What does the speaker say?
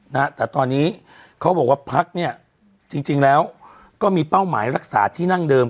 นะฮะแต่ตอนนี้เขาบอกว่าพักเนี่ยจริงจริงแล้วก็มีเป้าหมายรักษาที่นั่งเดิม